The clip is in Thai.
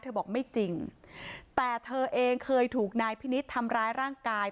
บอกไม่จริงแต่เธอเองเคยถูกนายพินิษฐ์ทำร้ายร่างกาย